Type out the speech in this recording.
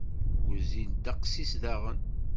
Wezzil ddeqs-is daɣen.